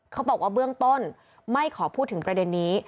เขาบอกว่าเบื้องต้นไม่ขอพูดถึงประเด็นนี้